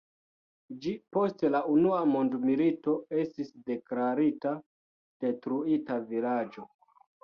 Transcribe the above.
Ĝi post la Unua mondmilito estis deklarita "detruita vilaĝo".